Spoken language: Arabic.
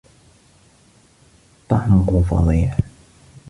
طعمه فظيع.